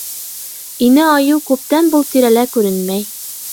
Инә айыу күптән был тирәлә күренмәй.